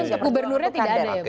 tapi untuk gubernurnya tidak ada ya